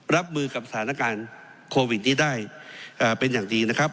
รับมือกับสถานการณ์โควิดนี้ได้เป็นอย่างดีนะครับ